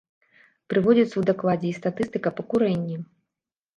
Прыводзіцца ў дакладзе і статыстыка па курэнні.